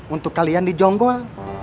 untuk kalian di jonggol